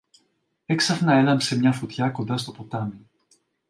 Έξαφνα έλαμψε μια φωτιά κοντά στο ποτάμι.